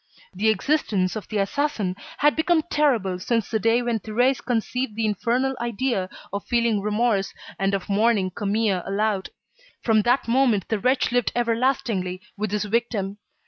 The existence of the assassin had become terrible since the day when Thérèse conceived the infernal idea of feeling remorse and of mourning Camille aloud. From that moment the wretch lived everlastingly with his victim.